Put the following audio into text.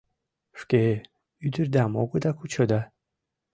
Шке ӱдырдам огыда кучо да